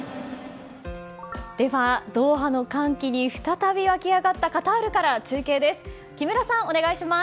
では、ドーハの歓喜に再び沸き上がったカタールから中継です。